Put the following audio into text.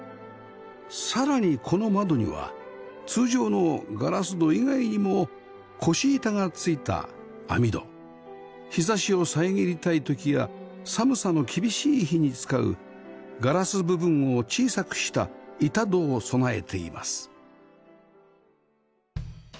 さらにこの窓には通常のガラス戸以外にも腰板がついた網戸日差しを遮りたい時や寒さの厳しい日に使うガラス部分を小さくした板戸を備えています